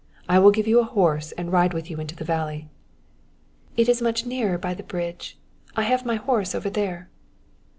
I will give you a horse and ride with you into the valley." "It is much nearer by the bridge, and I have my horse over there."